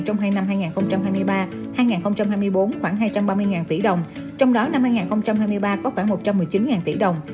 trong hai năm hai nghìn hai mươi ba hai nghìn hai mươi bốn khoảng hai trăm ba mươi tỷ đồng trong đó năm hai nghìn hai mươi ba có khoảng một trăm một mươi chín tỷ đồng